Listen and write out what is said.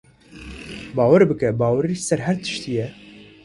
Bawer bike, bawerî ser her tiştî ye.